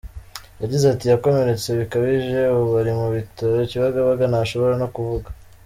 Yagize ati “Yakomeretse bikabije, ubu ari mu bitaro Kibagabaga ntashobora no kuvuga.